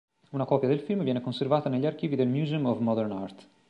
Una copia del film viene conservata negli archivi del Museum of Modern Art.